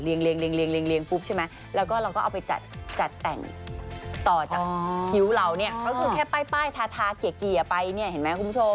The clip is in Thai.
เรียงเรียงเรียงเรียงเรียงเรียงปุ๊บใช่ไหมแล้วก็เราก็เอาไปจัดจัดแต่งต่อจากคิวเราเนี่ยเขาคือแค่ป้ายป้ายทาทาเกียร์ไปเนี่ยเห็นไหมคุณผู้ชม